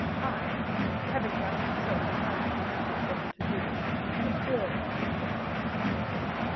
I, having like himself apparently nothing better to do, observed this gentleman.